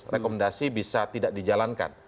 rekomendasi bisa tidak dijalankan